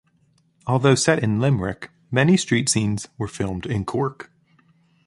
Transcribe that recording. Although set in Limerick, many street scenes were filmed in Cork.